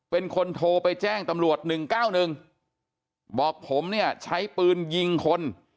เป็นคนโทรไปแจ้งตำรวจ๑๙๑บอกผมเนี่ยใช้ปืนยิงคน